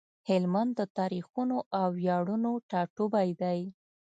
هلمند د تاريخونو او وياړونو ټاټوبی دی۔